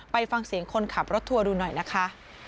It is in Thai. ไปฟังเสียงคนขับรถทัวร์ดูหน่อยนะคะ